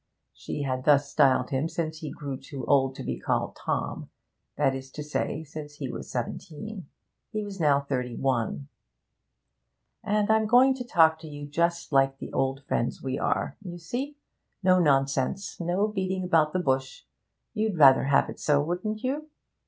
She had thus styled him since he grew too old to be called Tom; that is to say, since he was seventeen. He was now thirty one. 'And I'm going to talk to you just like the old friends we are. You see? No nonsense; no beating about the bush. You'd rather have it so, wouldn't you?'